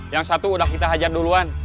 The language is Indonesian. yang satu udah kita hajar duluan